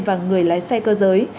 và người lái xe cơ giới